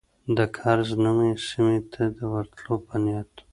د کرز نومي سیمې ته د ورتلو په نیت.